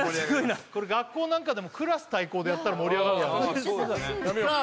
これ学校なんかでもクラス対抗でやったら盛り上がるだろうねさあ